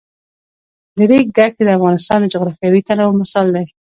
د ریګ دښتې د افغانستان د جغرافیوي تنوع مثال دی.